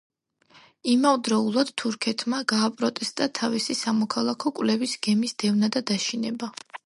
იმავდროულად, თურქეთმა გააპროტესტა თავისი სამოქალაქო კვლევის გემის დევნა და დაშინება.